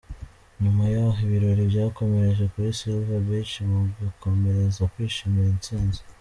Nyuma yaho ibirori byakomereje kuri Silver beach mu gukomereza kwishimira intsinzi.